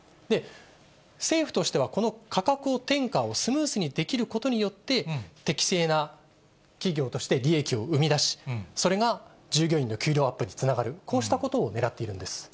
政府としてはこの価格転嫁をスムーズにできることによって、適正な企業として、利益を生み出し、それが従業員の給料アップにつながる、こうしたことをねらっているんです。